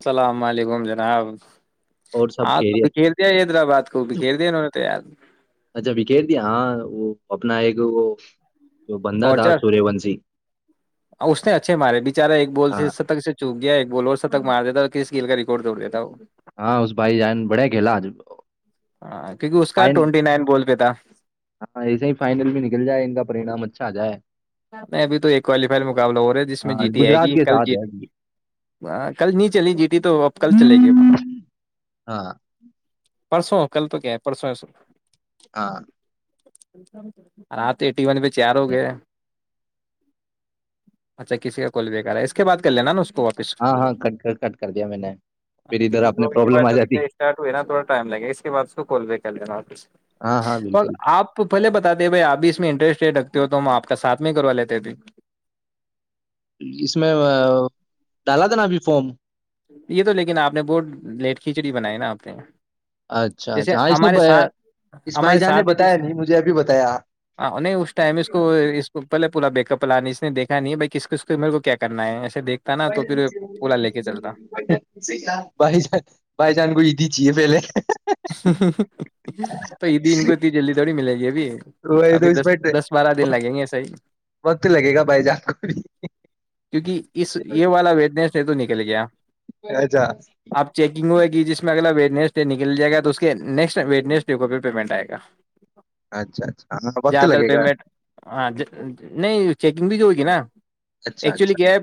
السلام علیکم جناب اور سب ہاں تو خیریت بکھیر دیا حیدرآباد کو بکھیر دیا انہوں نے تو یاد اچھا بکھیر دیا ہاں وہ اپنا ایک وہ جو بندہ تھا اورچر سوریہ ونشی اس نے اچھے مارے بیچارا ایک بال سے ہاں شتک سے چوک گیا ایک بال اور سے تک مارتا اور کس کل کا ریکارڈ توڑ دیتا ہو ہاں اس بھائی جانن بڑیا کھیلاج ہاں کیونکہ اس کا فن ٹوئٹی نائن [inaudible] ان کا پرینام اچھا جائے نہیں ابھی تو ایک کوالیفائر مقابلہ ہو رہا ہے جس میں ہاں جی ٹی آئے گجرات گی کے کل ساتھ جی ہے ابھی کل نہیں چلی جیٹی تو اب کل چلے گی ہاں پرسوں کل تو کیا ہے پرسوں ہے س ہاں رات ایٹی ون پ چیار ہو گئے اچھا کسی کا کل بیکار ہے اس کے بعد کر لینا نا اس وپس اسٹ ہاں ہاں کٹ کر کٹ کر دیا میں نے پھر ادھر اپنے پرابلم آ جاتی ہو نا تھوڑا ٹائم لگا اس کے بع اس کال کر لینا و ہاں ہاں تو بالکل آپ پہلے بتا دے بھائی اب بھی اس میں انٹرسٹ رکھتے ہو تو میں آپ کو کا ساتھ میں کروا لیتے تھے اس میں ڈالا تھا نا ابھی فارم یہ تو لیکن آپ نے بہت لیٹ کھچڑی بنائی نا آپ نے اچھا جیسے اچھا ہاں اس نے ہمارے ب- ساتھ اس بھائی ہمارے جان نے ساتھی بتایا جیسے نہیں مجھے ابھی بتایا نہیں اس ٹائم اس کو اس کو پہلے پلا ب کپلانانی اس نےیکھا نہیں ہے بائی کس کس کو میرے کو کیا کرنا ہے ایے دیکھتا نا تو پھر پولا لے کے چلتا بھائی [unintelligible] [inaudible] تو یہیدی ان کو اتنی جلدی تھوڑی ملے گی یہ بھی وہی تو ابھی اس دس میں دس بارہ دن لگیں گے صحیح وقت لگے گا بھائی جان کو بھی کیونکہ اس یہ والا وڈنس س توو نکل گیا اچھا اچھا آپ چیکنگ ہوئے جس میں اگلا ویٹنسٹ نہیں ل جائے گا تو اس کے نیکسٹ و نسٹ ڈے کو بھی پیمنٹ آئے گا اچھا ہاں وقت زیادہ تر لگے گا پیمنٹ ہاں نہیں چیکنگ بھی جو ہوگی نا اچھا ایکچولی اچھا کیا ہے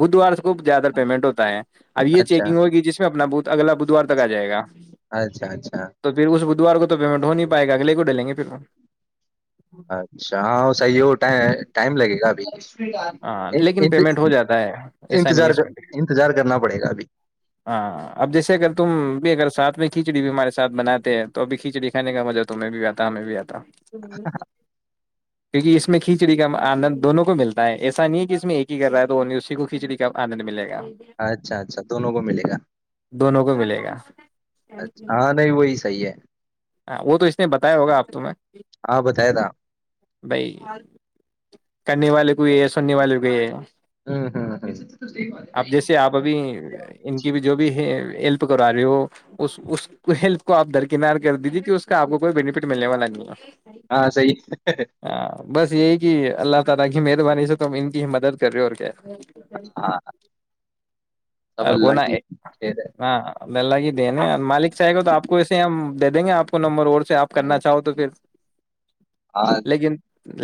بدھوار کو زیاد تر پیمنٹ ہوتا ہے اب یہ اچھا چیکنگ ہوگی جس میں اپنا اگلا بدوار تک آ جائے گا اچھا اچھا تو پھر اس بدھوار کو تو پیمنٹ ہو نہیں پائے گ اگلے کو ڈلے لے پو اچھا ہاں صحیح ہو ٹائم لگے بھی ہاں لیکن پیمنٹ ہو جاتا ہے ایسا نہیں ہے انتظار اس میں انتظار کرنا پڑے گا ابھی ہاں اب جیسے اگر تم بھی اگر ساتھ میں کھچڑی بھی ہمارے ساتھ بناتے ہیں تو ابھی کھچڑی کھانے کا مزہ توہیں بھی آتا ہمیں بھی آتا [unintelligible] کیونکہ اس میں کھچڑی کا آنند دونوں کو ملتا ہے ایسا نہیں ہے کہ اس میں ایک ہی کر رہا ہے تو وہ نہیں اسی کو کھچڑی کا آنند ملےا اچھا اچھا دونوں کو میں ملے گا دونوں کو ملے گا اچھا ہاں نہیں وہی صحیح ہے ہاں وہ تو اس نے بتایا ہوگا آپ تم ہاں بتایا تھا بھائی کرنی والے کو یہ ہے سنے والے کو یہ ہوں اب ہوں جیسے آپ ابھی ان کی بھی جو بھی ہے کروا رہے ہو اس ہیلپ کو آپ درکنار کے کر دیجیے کہ اس کا آپ کوئی بینیفٹ ملنے والا نہیں ہے ہاں صیح [unintelligible] ہاں [unintelligible] ا سب اللہ کونا کی خیر ہے ہ مل لگ ن مالک چ آئے گا تو آپ کو ایسے دے دیں گے آپ کو نمبر اور سے آپ کرنا چاہو تو پھر ہاں لیکن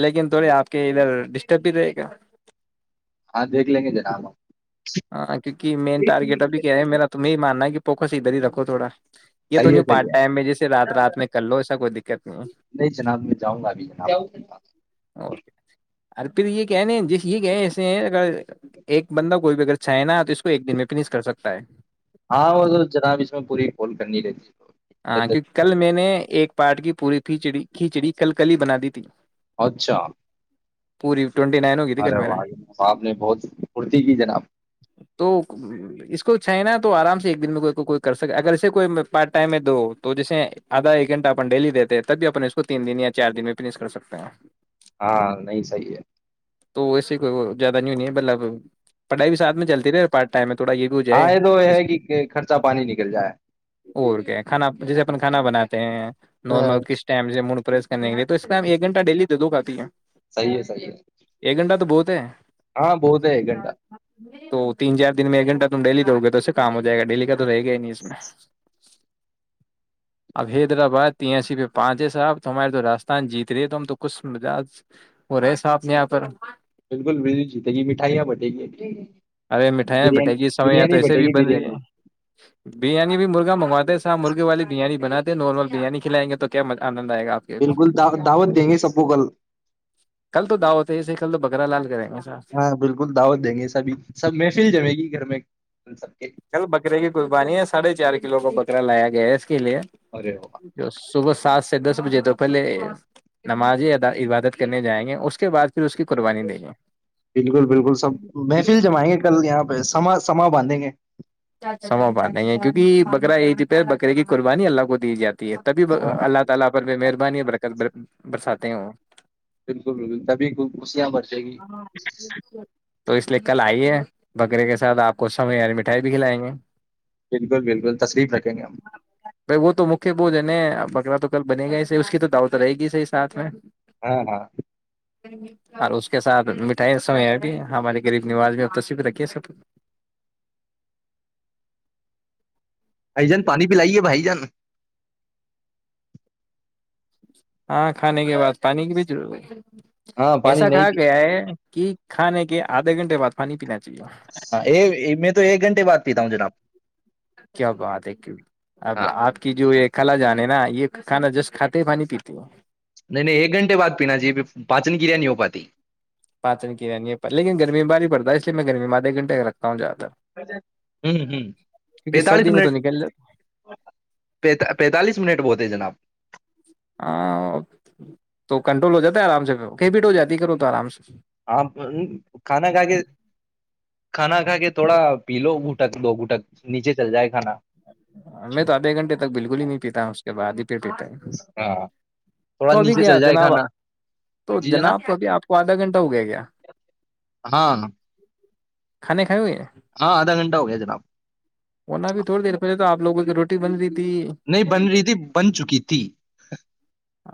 لیکن تھوڑی آپ کے ادھر ڈسٹرب بھی رہے گا ہاں دیکھ لیں گے جناب ہم ہاں کیونکہ مین صحیح ٹارگیٹ ابھی کہ ہیں میرا ہے تمہیں یہ ماننا ہے کہ پکا سیددھر ہی رکھو تھوڑا یہ تو نہیں پارٹی صحیح ہے ٹائم میں جی سے رات رات میں کر لو ایسا کوئی دقت نہیں نہیں جناب میں جاؤں گا ابھی جناب ہےوکے ا پھر یہ کہنے ج یہ کہ ایسے ہیں اگر ایک بندہ کوئی بھی اگر چاہ نا تو اس کو ایک دن میں پس کر سکتا ہے ہاں وہ تو جناب اس میں پوری کال کرنی رہتی ہاں ہے کیونکہ کل میں نے ایک پاٹ کی پوری کھچڑی کھچڑی کل کل ہی بنا دی تھی اچھا پوری ٹینٹی نائن ہوگئی تھی کل ارے میرا واہ جناب آپ نے بہت پھرتی کی جناب تو اس کو چائنا تو آرام سے ایک دن میں کوئی کو کوئی کر سکے اگر اسے کوئی میں پارٹی ٹم ہے دو تو جیسے آدھا ایک گھنٹہ اپ ڈیلی دیتے ہیں تب بھی اپ اس کو تین دن یا چار دن میں فش کر سکتے ہیں ہاں نہیں صحی ہے تو ایس سے کوئی زیادہ نہیںی نہیں ہے بطلب پڑھائی بھی ساتھ میں چلتی رہے پارٹ ٹائم ہے تھوڑا یہ بھی ہو ہاں جائے یہ تو یہ ہے کہ خرچہ پانی نکل جائے کھا جسے اپن کانا بناتے ہیں نمل کس ٹائم ج م پرریس کرنےیںے تو اس ائم ایک گھٹہ ڈیلی دوں گا تی ہے صحیح ہے صیح ہے تے ہاں بہت ہے ایک گھنٹہ تو تین چار دن میں ایک گھنٹہ تم ڈیلی دوڑ گے تو اس سے کام ہو جائے گا ڈیلی کا تو رہے گیا نہیں اس میں اب حیدرآباد ت ای سی پہ پانچے صاحب ت ہمارے تو راجستان جیت رہے تو ہم تو کچھ مجج وہ رہے صاحب نے یہاں پر بالکل بجو جیتے گی مٹھائیاں بٹے گی ارے مٹھیاں بٹھائی بریانی کی سو یہ تو بریانی ایسے بٹے بھی گی بن رہی بریانی ہے بریانی بھی مرغی مگواتے سا مرغے والیریانی بناتے نارمل بریانی کلائ گے تو کیا آئے گا آپ کے ابھی بالکل دعوت دیں گے سب کو کل کل تو داوتے ایے کل تو ب کررا لال کریں گے صاحب ہاں بالکل دعوت دیں گے سابھی سب محفل جائے گی گھر میں ان سب کے کل بکرے کی قربانی ہے ساڑھے چار کلو کا بکر کر لایا گیا کے لیے ارے واہ جو صبح سات سے دس بجے تو پہلے نمازیںد عبادت کرنے جائیں گے اس کے بعد پھر اس کی قربانی دیں بالکل بالکل سب محفل جمائیں گے کل یہاں پہ سما سما باندھیں گے ج سمو پات نہیں ہے کیونکہ بکرا یہ د پ بکرے کی قربانی اللہ کو دی جاتی ہے تبھی ہاں اللہ تعالی پر بے مہربانی اور برکت ب برساتے ہو بالکل بالکل تبھیشیاں بر تو اس لیے کل آئیے بکرے کے ساتھ آپ کو سم یار مٹھائی بھی کھلائیں گے بالکل بالکل تشلیف رکھیں گے ہم بول ج ن بکرا تو کل بنے گا ہی اس کی تو دعوت رہے گی صحی ساتھ میں ہاں ہاں [unintelligible] اس کے ساتھ مٹھائی سمے اب ہمارے غریب نواز میں تصف رکھیے سب بائی جان پانی پلائیے بھائی جان ہاں کھانے کے بعد پانی کی بھی ضرورت ہوئی ہاں پانی ایسا نہیں کہھا پی گیا ہے کہ کھے کے آدے گھنٹے بع پانی پیین ہاں میں تو ایک گھنٹے بات پیتا ہوں جناب کیا بات ہے کی اب ہاں آپ کی جو ایک کلا جان ہے نا یہ کھانا جسٹ کھاتے ہیں پانی پیتے ہیں نہیں نہیں ایک گھنے بع پیننا چیے پچن کریا نہیں ہو پای [unintelligible] پانچن کیانی پ پر لن گمی باری پڑتا ہے اس لیے میں گرمی میںدھے گھنٹے رکھتا ہوں جدہ ہ ہ کیونکہ پینتالیس سردی میں تو منٹ نکل جاتا پ پینتالیس منٹ بولتے جناب ہاں تو کنٹرول ہو جاتتا ہے آرام سے ک پیٹو جاتتی کرو تو آرام سے آاں کھانا گگے کھانا کھا کے تھوڑا پی لو گھٹک دو گھٹک نیچے چل جائے کھانا میں تو آدھے گھنٹے تک بالکل ہی نہیں پیتا اس کے بعد ہی کیٹٹ ہے ہاں تھوڑا تو ابھی نیچے گیا چل جائے جناب کھانا تو جناب تو ابھی آپ کو آدھا گھنٹہ ہو گیا گ ہاں [unintelligible] ہاں آدھا گھنٹہ ہو گیا جناب اننا بھی تھوڑی دیر پہ تو آپوگ کی روٹی بن رہی تھی نہیں بن رہی تھی بن چکی تھی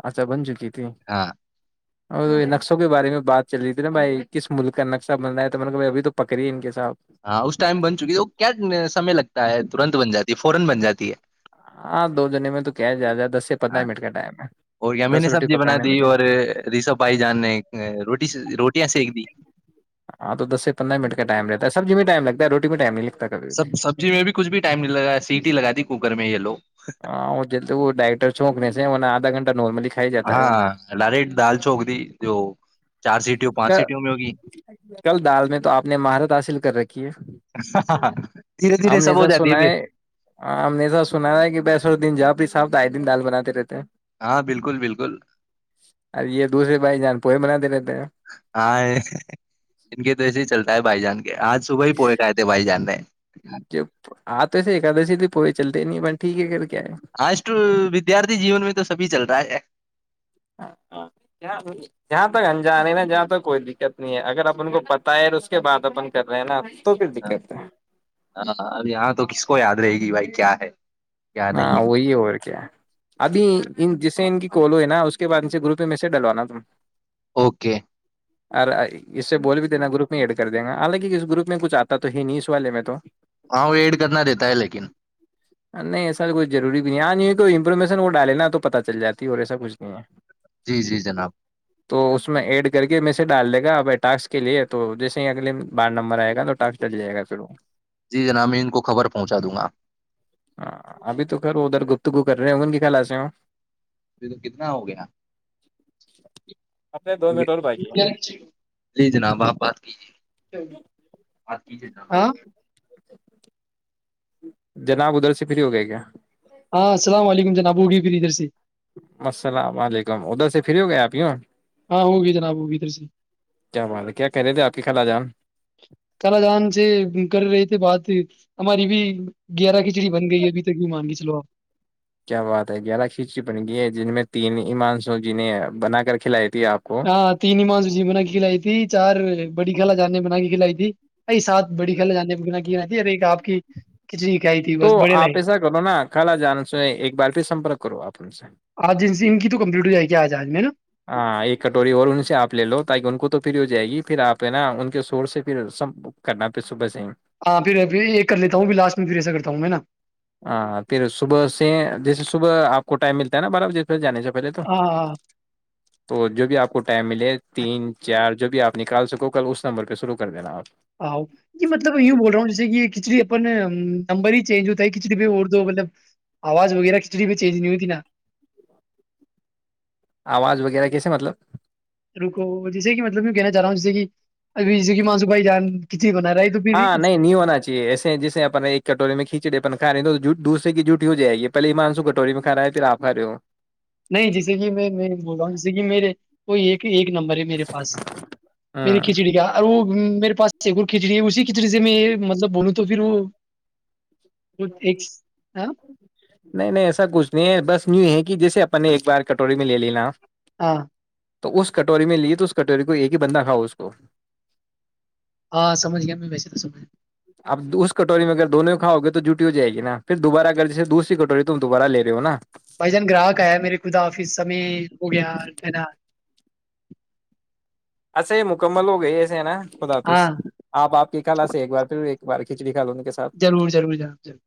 اچھا بن چکی تھی ہاں اور نقشوں کے بارے میں بات چل رہی ت نا بھائی کس ملک کا نقشہ بن رہا تھا مط نےب کہ بائی ابھی تو پکڑی ہی ان کے ساتب ہاں اس ٹائم بن چکی ہے وہ کیا سمے لگتا ہے ترنت بن جاتی ہے فورن بن جاتی ہے ہاں دو جنے میں تو کیا جیا جاتا ہاں اور یم نے روٹی سبزی بنا پکانے دی میں کیا اور ریشب بھائی جان نے روٹی روٹیاں سیک دی ہاں تو دس سے پندرہ منٹ کا ٹائم رہتا ہے سب جی ٹم لگ ہے رٹی ائ نہیں لگتا کبھی سب بھی سبزی میں بھی کچھ بھی ٹائم نہیں لگا سیٹی ہی لگا ت کوکر میں یہ لو ہاں گھٹ نملی ہاں لاری دال چوک دی جو چار سیٹیوں پانچ سیٹیوں میں ہوگی کل دال میں تو آپ نے مہارت حاصل کر رکھی ہے دھیرے دھیرے ہم نے سب ہو سا جاتی سنا پھر ہے ہم نے سا سنا ہے کہ بیسر دن جا ابھی صاب آھائی دن دال بنات رہتے ہیں ہاں بالکل بالکل اور یہ دوسرے بھائی جان پورور بناتے رہتے ہیں ہاں ان کے تو ایسے ہی چلتا ہے بھائی جان آج صبح ہی پوڑے گئے تھے بھائی جانے ہیں ج آ توس ایکدی ت پہچ چلتے نہیں ب ٹھیک ہے کر کیا ہے ہاں اسٹ ودیارتھی جیون میں تو سبھی چل رہا ہے جہاں تک انجانے نا جہاں تک کوئی دقت نہیں ہے اگر اپ ان کو پتا ہے تو اس کے بعد اپن کر رہے ہیں نا تو پھر دقت ہے ہاں اب یہاں تو کس کو یاد رہے گی بھائی کیا ہے کیا نہیں ہاں ہے وہی اور کیا ابھی ان جیسے ان کی کال ہوئے نا اس کے بعد ان سے گروپ میں میسج ڈلوانا تم اوکے ار اس سے بول بھی دینا گروپ میں ایڈ کر دے گا حالانکہ اس گروپ میں کچھ آتا تو ہی نہیں اس والے میں تو ہاں وہ ایڈ کرنا دیتا ہے لیکن نہیں ایسا تو کوچئی روری بھی نہیں ہے نہیں کوئی انفارمیشن وہ ڈالے نا تو پتاہ چل جاتی اور ایسا کچھ نہیں ہے جی جی جناب تو اس میں ایڈ کر کے میں سے ڈال دے گا ابائی ٹک کے لیے تو جیسے ہی اگل بار نمبر آئے گا تو ٹاسک ڈل جائے گا پھر وہ جی جناب میں ان کو خبر پہنچا دوں گا ہاں ابھی تو خھر ادھر گفتگو کر رہے ہیںگ ان کی خلا سےے ہو تو کتنا ہو گیا اپنے دو ہو منٹ اور باقی گیا ہے۔ ج جناب آپ بات کیجے [unintelligible] جناب ادھر سے فری ہو گئے کیا ہاں السلام علیکم جناب ہوگی جر سے السلام علیکم ادھر سے فری ہو گئے آپ یوں ہاں ہوگی جناب ہوگی ادھر سے کیا بات ہے کیا کہہ رہے تھے آپ کی کل آ جان کال جان سے کر رہے تھے بات ہماری بھی گیارہ کھچڑی بن گئی ابھی تک بھی مان لیی چلو آپ کیا بات ہے گیارہ کھچڑی بن گئی ہے جن میں تین ایمانسو جن نے بنا کر کھلائے تھے ہاں تین ہی مس جی منا ک لئی تھی چار بڑی کلا جانے بنا کے کھلائی تھی ا سات بڑی کلا جانے ک کھیائی تھی ار ایک آپ کی کھچڑی کھائی تھی تو بس بڑے آپ لگے ایسا کرو نا کل آ جان س ایک بار سے سپرک کرو اپ سے آج ان ان کی تو کمپلیٹ ہو جائے گی آج آج میں نا ہاں ایک کٹور ون سے آ ل لوگ کہ ان کو تو پھر ہو جائے گی پھر آپ ہیں نا ان کے شور سے پھر سم کرنا پھر صبح سے ہی ہاں پھرھر یہ کر لیتا ہوں پھر لاسٹ میں پھر ایسا کرتا ہوں میں نا ہاں پھر صبح سے جیسے صبح آپ کو ائم مل ہے ن بارا جانے چ پہلے تو ہاں ہاں تو جو بھی آپ کو ٹائم ملے تین چار جو بھی آپ نکال سکو کل اس نمبر پہ شروع کر دینا آ یہ مطلب یوں بول رہا ہوں جیسے کہ کھچڑی اپن نمبر ہی چینج ہوتا ہے کھچڑی پہ اور دو مطلب آواز وغیرہ کھچڑی پہ چینج نہیں ہوتی نا آواز وغیرہ کیسے مطلب رکو جیسے کہ مطلب میں کہنا چاہ رہا ہوں جیسے کہ اب جیسے کہ مانسو بھائی جان بنا رہا ہے تو پھر ہاں اس- نہیں نہیں ہونا چاہیے ایسے جیسے اپن ایک کٹورے میں کھیچڑی اپن ک رہی جٹ دوسر کی جھٹ ہو جائے گی پہے ای مانسو کٹوری میں کھا ہے پھر آپھ رہے ہو نہیں جیسے کہ میں میں بول رہا ہوں جیسے کہ میرے کوئی یہ ایک نمبر ہے میرے پاس میری ہاں کھچڑی کا اور وہ میرے پاس ایک کھچڑی ہے اسی کھچڑی سے میں مطلب بولوں تو پھر وہ وہ ایک ہاں نہیں نہیں ایسا کچھ نہیں ہے بس نیو ہے کہ جیسے اپنے نے ایک بار کٹوری میں لے لینا ہاں تو اس کٹوری میں لی تو اس کٹوری کو ایک ہی بندہ کھاؤ اس کو ہاں سج گیا ویسے تو سج اپ اس کٹوری میں اگر دونوں کھاؤ گے تو جٹی ہو جائے گی نا پھر دوبارہ اگر جیے دوسری کٹوری تو تم دوبارہ لے رہے ہو نا بھائی جان گراہک آیا میرری خدا آفس سے ہو گیا کہنا اھا یہ مکمل ہو گئی ایسے ہے نا بتا ہاں آپ آپ کی خلا سے ایک بار پھر ایک بار کچی کاووں ضرور ضرور ناور ضرور